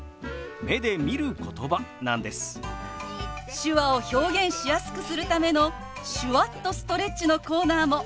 手話を表現しやすくするための「手話っとストレッチ」のコーナーも。